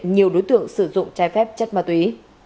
nhiều đối tượng sử dụng trái phép chất ma túy